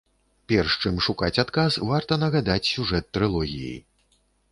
Перш, чым шукаць адказ, варта нагадаць сюжэт трылогіі.